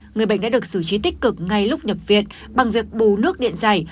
người bệnh đã được xử trí tích cực ngay lúc nhập viện bằng việc bù nước điện giải